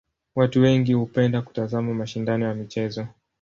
Watu wengi hupenda kutazama mashindano ya michezo.